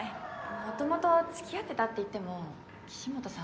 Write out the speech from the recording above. もともとつきあってたっていっても岸本さん